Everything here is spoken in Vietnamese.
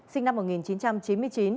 sinh năm một nghìn chín trăm chín mươi chín